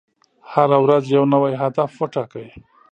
هره ورځ یو نوی هدف ټاکئ.